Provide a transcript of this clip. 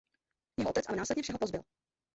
Jeho otec ale následně všeho pozbyl.